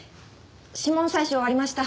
指紋採取終わりました。